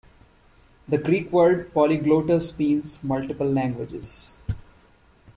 The Greek word "polyglottos" means "multiple languages".